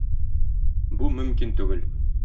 Бу мөмкин түгел.